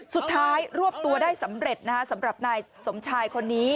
สุดท้ายรวบตัวได้สำเร็จนะฮะสำหรับนายสมชายคนนี้